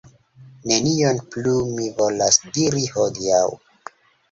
Nenion plu mi volas diri hodiaŭ.